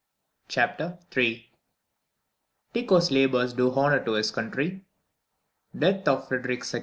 CHAPTER III. _Tycho's Labours do honour to his Country Death of Frederick II.